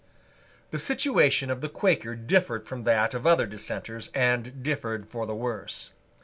The situation of the Quaker differed from that of other dissenters, and differed for the worse.